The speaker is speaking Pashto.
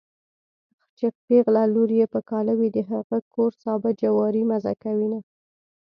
چې پېغله لور يې په کاله وي د هغه کور سابه جواری مزه کوينه